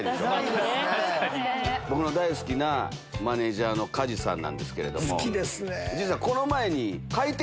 僕の大好きなマネジャーの鍛冶さんなんですけれども。